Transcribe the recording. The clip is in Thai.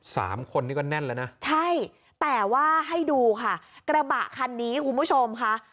สามคนนี้ก็แน่นแล้วนะใช่แต่ว่าให้ดูค่ะกระบะคันนี้คุณผู้ชมค่ะ